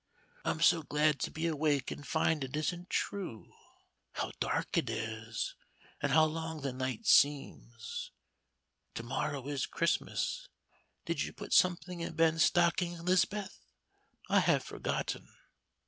I'm so glad to be awake and find it isn't true. How dark it is, and how long the night seems! To morrow is Christmas. Did you put something in Ben's stockings, 'Lis'beth? I have forgotten."